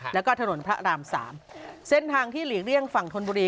แล้วก็ถนนพระรามสามเส้นทางที่หลีกเลี่ยงฝั่งธนบุรี